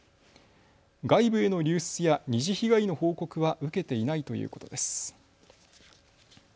外部への流出や二次被害の報告は受けていないということです。